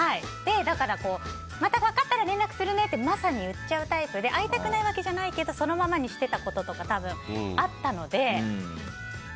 だからまた分かったら連絡するねってまさに言っちゃうタイプで会いたくないわけじゃないけどそのままにしていたこととかがあったので。